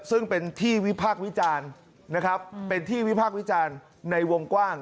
ซึ่งเป็นที่วิพากษ์วิจารณ์นะครับเป็นที่วิพากษ์วิจารณ์ในวงกว้าง